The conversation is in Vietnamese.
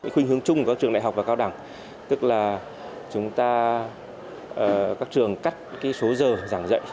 khuyên hướng chung của các trường đại học và cao đẳng tức là chúng ta các trường cắt số giờ giảng dạy